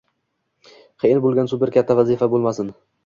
Qiyin bo’lgan super katta vazifa bo’lmasin.